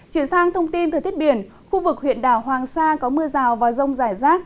chuyển sang thông tin từ tiết biển khu vực huyện đảo hoàng sa có mưa rào và rông rải rác